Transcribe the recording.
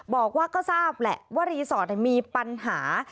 บอกว่าก็ทราบแหละว่ารีสอร์ทมีปัญหา